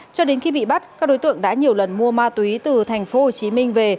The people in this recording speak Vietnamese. cho đến khi bị bắt các đối tượng đã nhiều lần mua ma túy từ thành phố hồ chí minh về